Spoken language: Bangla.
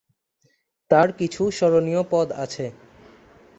তার কিছু স্মরনীয় পদ আছে।